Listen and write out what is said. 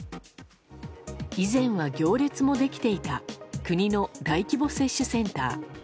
以前は行列もできていた国の大規模接種センター。